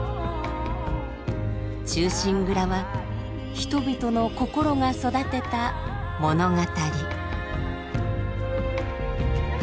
「忠臣蔵」は人々の心が育てた物語。